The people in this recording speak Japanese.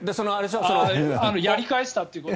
やり返したということ？